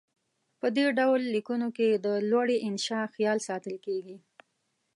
په دې ډول لیکنو کې د لوړې انشاء خیال ساتل کیږي.